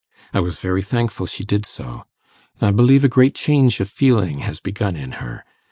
I was very thankful she did so: I believe a great change of feeling has begun in her.